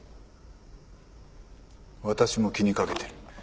私も気に掛けてる。